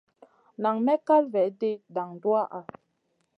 Nan may kal vaidi dan duwaha.